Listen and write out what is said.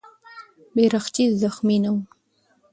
بیرغچی زخمي نه و.